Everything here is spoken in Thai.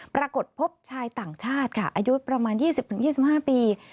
ปรากฏพบชายต่างชาติค่ะอายุประมาณ๒๐๒๕ปี